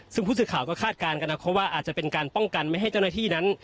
ซึ่งผู้สื่อข่าวก็คาดการณ์กันนะครับว่าอาจจะเป็นการป้องกันไม่ให้เจ้าหน้าที่นั้น